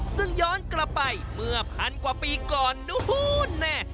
ซึ่งย้อนกลับไปเมื่อพันกว่าปีก่อน